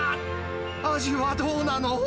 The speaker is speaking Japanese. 味はどうなの？